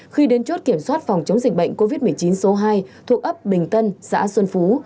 khi đến chốt kiểm soát phòng chống dịch bệnh covid một mươi chín số hai thuộc ấp bình tân xã xuân phú